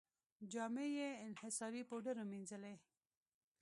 جامې یې انحصاري پوډرو مینځلې.